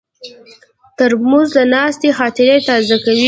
ترموز د ناستې خاطرې تازه کوي.